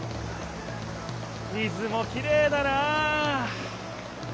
水もきれいだな！